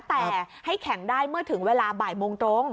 แต่ให้แข่งได้เมื่อถึงเวลาบ่ายโมงตรง